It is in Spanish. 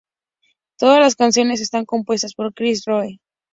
Todas las canciones están compuestas por Kris Roe